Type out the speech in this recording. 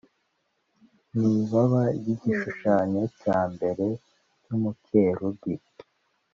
n ibaba ry igishushanyo cya mbere cy umukerubi